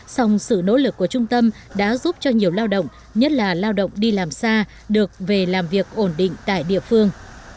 song sự nỗ lực của trung tâm đã giúp cho nhiều lao động nhất là lao động đi làm xa được về làm việc ổn định tại địa phương